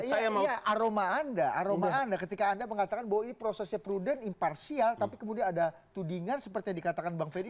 ini aroma anda aroma anda ketika anda mengatakan bahwa ini prosesnya prudent imparsial tapi kemudian ada tudingan seperti yang dikatakan bang ferry